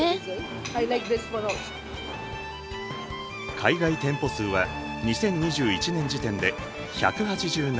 海外店舗数は２０２１年時点で１８７。